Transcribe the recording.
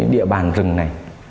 địa bàn rừng này